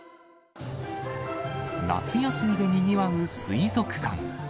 夏休みでにぎわう水族館。